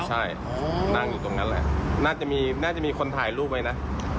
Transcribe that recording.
ใช่นั่งอยู่ตรงนั้นแหละน่าจะมีน่าจะมีคนถ่ายรูปไว้นะ